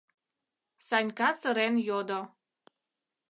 — Санька сырен йодо.